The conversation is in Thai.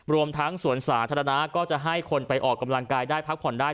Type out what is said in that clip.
รวมทั้งสวนสาธารณะก็จะให้คนไปออกกำลังกายได้พักผ่อนได้